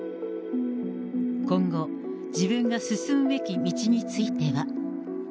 今後、自分が進むべき道については。